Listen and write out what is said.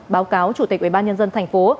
báo cáo chủ tịch ubnd tp